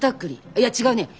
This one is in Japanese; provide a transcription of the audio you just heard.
いや違うね。